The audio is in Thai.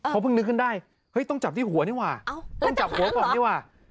เขาเพิ่งนึกขึ้นได้ต้องจับที่หัวนี่หว่า